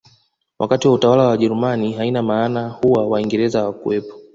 Wakati wa utawala wa wajerumani haina maana kuwa waingereza hawakuwepo